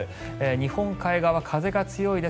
日本海側、風が強いです。